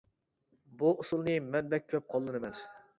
بۇ ئۇسۇلنى مەن بەك كۆپ قوللىنىمەن!